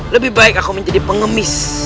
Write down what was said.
lebih baik aku menjadi pengemis